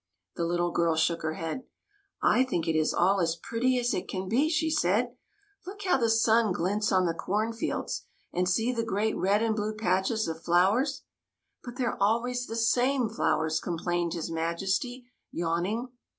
The little girl shook her head. " I think it is all as pretty as it can be," she said. '' Look how the sun glints on the cornfields, and see the great red and blue patches of flowers —"'' But they 're always the same flowers," com plained his Majesty, yawning.